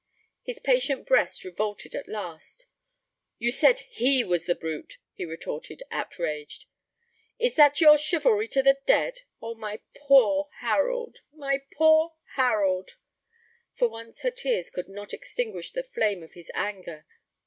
His patient breast revolted at last. 'You said he was the brute!' he retorted, outraged. 'Is that your chivalry to the dead? Oh, my poor Harold, my poor Harold!' For once her tears could not extinguish the flame of his anger.